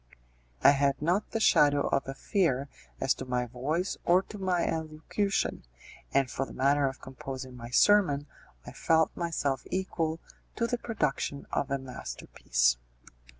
I had not the shadow of a fear as to my voice or to my elocution, and for the matter of composing my sermon I felt myself equal to the production of a masterpiece.